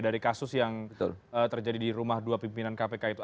dari kasus yang terjadi di rumah dua pimpinan kpk itu